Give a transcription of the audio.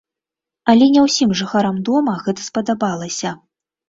Але не ўсім жыхарам дома гэта спадабалася.